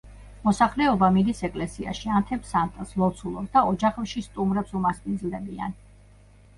მოსახლეობა მიდის ეკლესიაში, ანთებს სანთელს, ლოცულობს და ოჯახებში სტუმრებს უმასპინძლდებიან.